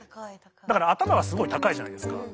だから頭がすごい高いじゃないですか。